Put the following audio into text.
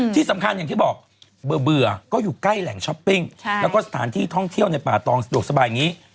ที่สำคัญอย่างที่บอกเบื่อก็อยู่ใกล้แหล่งช้อปปิ้งแล้วก็สถานที่ท่องเที่ยวในป่าตองสะดวกสบายอย่างนี้